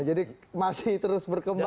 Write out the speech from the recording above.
jadi masih terus berkembang